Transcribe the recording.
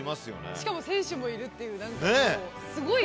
しかも選手もいるっていう何かもうすごい。